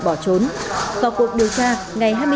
bỏ trốn vào cuộc điều tra ngày